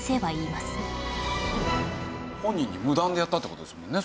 本人に無断でやったって事ですもんね